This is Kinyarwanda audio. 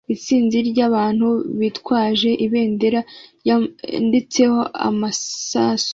Isinzi ryabantu bitwaje ibendera ryanditseho amasasu